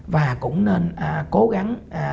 và cũng nên cố gắng